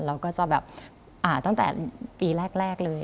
เราก็จะแบบอ่านตั้งแต่ปีแรกเลย